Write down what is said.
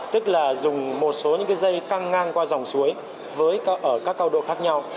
tức là dùng một số những cái dây căng ngang qua dòng suối ở các cao độ khác nhau